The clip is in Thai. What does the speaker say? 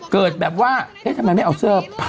เกิดแบบว่าเฮ้ยทำไมเนี่ยเอาเสื้อ